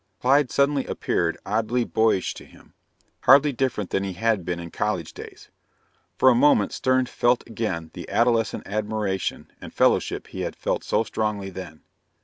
Clyde suddenly appeared oddly boyish to him, hardly different than he had been in college days. For a moment Stern felt again the adolescent admiration and fellowship he had felt so strongly then.